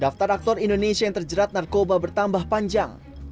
daftar aktor indonesia yang terjerat narkoba bertambah panjang